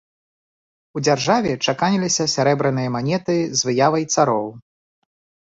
У дзяржаве чаканіліся сярэбраныя манеты з выявай цароў.